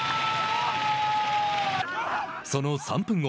その３分後。